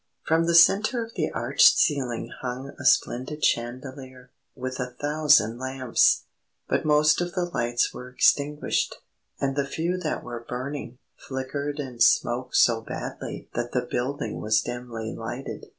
From the centre of the arched ceiling hung a splendid chandelier, with a thousand lamps. But most of the lights were extinguished, and the few that were burning, flickered and smoked so badly that the building was dimly lighted.